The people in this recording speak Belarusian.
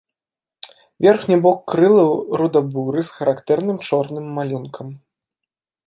Верхні бок крылаў руда-буры з характэрным чорным малюнкам.